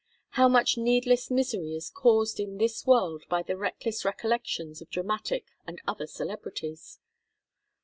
How much needless misery is caused in this world by the reckless "recollections" of dramatic and other celebrities?